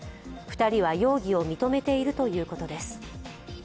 ２人は容疑を認めているということです。